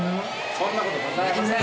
そんなことございません。